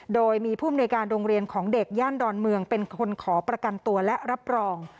โดยมีผู้มนุยการโรงเรียนของเด็กย่านดอนเมืองเป็นคนขอประกันตัวและรับรอง